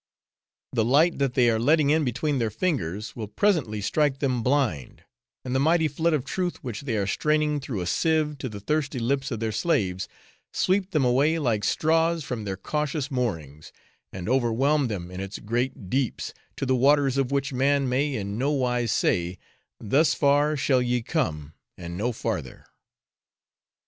The light that they are letting in between their fingers will presently strike them blind, and the mighty flood of truth which they are straining through a sieve to the thirsty lips of their slaves, sweep them away like straws from their cautious moorings, and overwhelm them in its great deeps, to the waters of which man may in nowise say, thus far shall ye come and no farther.